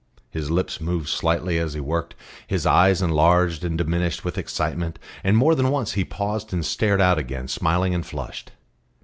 His lips moved slightly as he worked, his eyes enlarged and diminished with excitement, and more than once he paused and stared out again, smiling and flushed.